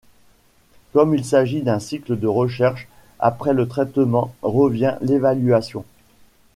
Comme il s’agit d’un cycle de recherche, après le traitement revient l’évaluation.